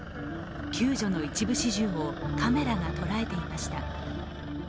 救助の一部始終をカメラが捉えていました。